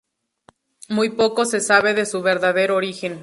Muy poco se sabe de su verdadero origen.